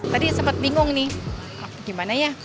tadi sempat bingung nih gimana ya